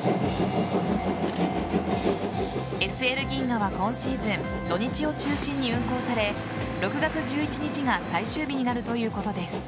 ＳＬ銀河は今シーズン土日を中心に運行され６月１１日が最終日になるということです。